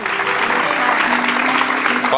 สวัสดีครับ